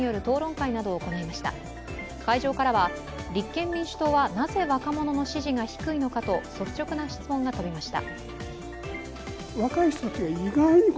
会場からは立憲民主党はなぜ若者支持が低いのかと率直な質問が飛びました。